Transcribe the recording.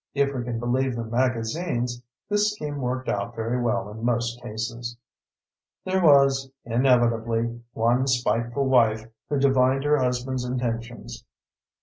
If we can believe the magazines, this scheme worked out very well in most cases. There was, inevitably, one spiteful wife who divined her husband's intentions.